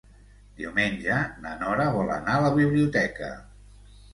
Diumenge na Nora vol anar a la biblioteca.